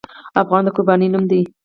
افغان د قربانۍ نوم دی.